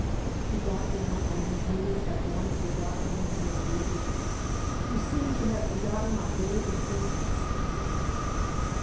He got down on his knees at once without glancing at me again. He seemed to have forgotten my very existence.